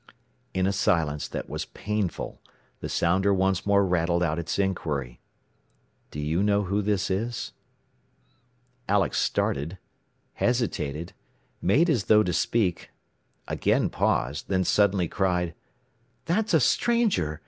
In a silence that was painful the sounder once more rattled out its inquiry, "Do you know who this is?" Alex started, hesitated, made as though to speak, again paused, then suddenly cried, "That's a stranger!